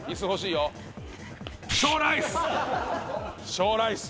小ライス。